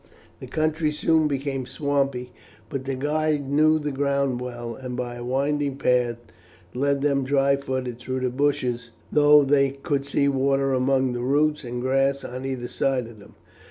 The country soon became swampy, but their guide knew the ground well, and by a winding path led them dry footed through the bushes, though they could see water among the roots and grass on either side of them.